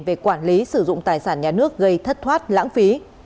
về quản lý sử dụng tài sản nhà nước gây thất thoát lãng phí